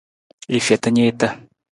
I feta niita.